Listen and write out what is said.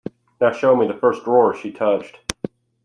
Now show me the first drawer she touched.